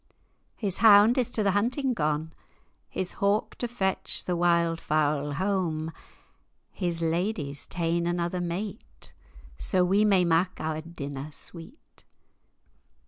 His hound is to the hunting gane, His hawk, to fetch the wild fowl hame, His lady's ta'en another mate, Sa we may mak our dinner sweet.